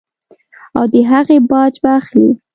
او د هغې جاج به اخلي -